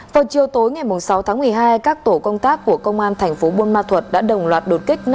vào chiều tối ngày sáu tháng một mươi hai các tổ công tác của công an tp bumma thuật đã đồng loạt đột kích